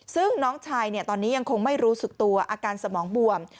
ซึ่งน้องชายตอนนี้ยังคงไม่รู้สึกตัวอาการสมองบวม